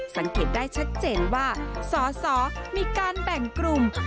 สังเกตได้ชัดเจนว่าสอสอมีการแบ่งกลุ่ม